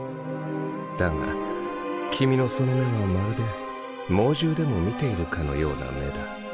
だが君のその目はまるで猛獣でも見ているかのような目だ。